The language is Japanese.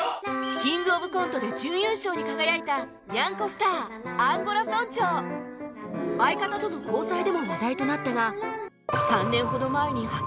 キングオブコントで準優勝に輝いた相方との交際でも話題となったが３年ほど前に破局